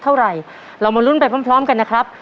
เท่าไหร่เรามาลุ้นไปพร้อมกันนะครับ